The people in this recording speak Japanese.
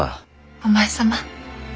お前様。